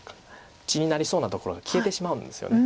地になりそうなところが消えてしまうんですよね。